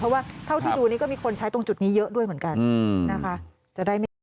เพราะว่าเท่าที่ดูนี่ก็มีคนใช้ตรงจุดนี้เยอะด้วยเหมือนกันนะคะ